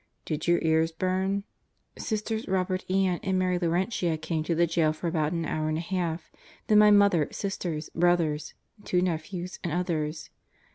Did your ears burn? Sisters Robert Ann and Mary Laurentia came to the jail for about an hour and a half, then my mother, sisters, brothers, two nephews, and others.